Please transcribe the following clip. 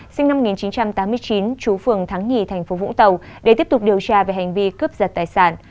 sinh năm một nghìn chín trăm tám mươi chín trú phường thắng nghì tp vũng tàu để tiếp tục điều tra về hành vi cướp giật tài sản